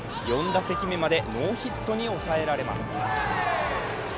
４打席目までノーヒットに抑えられます。